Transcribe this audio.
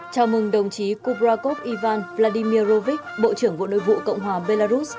chào mừng đồng chí kubrakov ivan vladimirovich bộ trưởng bộ nội vụ cộng hòa belarus